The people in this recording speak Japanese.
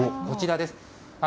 こちらです。